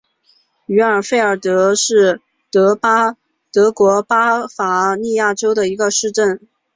于尔费尔德是德国巴伐利亚州的一个市镇。